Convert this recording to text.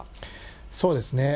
そうですね。